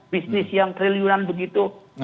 bisnis yang triliunan begitu